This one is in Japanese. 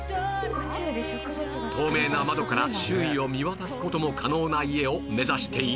透明な窓から周囲を見渡す事も可能な家を目指している